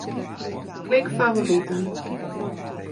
Klik Favoriten.